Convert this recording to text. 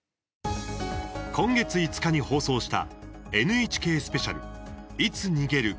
今月５日に放送した「ＮＨＫスペシャルいつ逃げる？